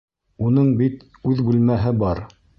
Уның бит үҙ бүлмәһе бар.